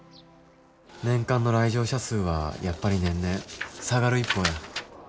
年間の来場者数はやっぱり年々下がる一方や。